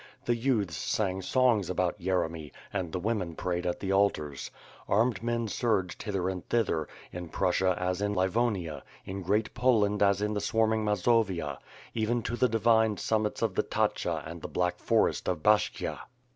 The youths sang songs about Yeremy and the women prayed at the altars. Armed men surged hither and thither, in Prussia as in Livonia, in Great Poland as in the swarming Mazovia, even to the divine summits of the Tatsha and the black forest of Bashkia.